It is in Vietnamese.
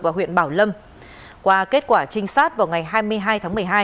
và huyện bảo lâm qua kết quả trinh sát vào ngày hai mươi hai tháng một mươi hai